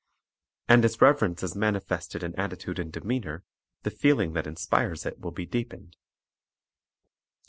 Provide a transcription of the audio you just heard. And as reverence is manifested in attitude and demeanor, the feeling that inspires it will be deepened.